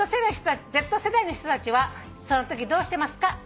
「Ｚ世代の人たちはそのときどうしてますか？」